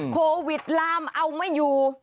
โควิดลามเอาไม่อยู่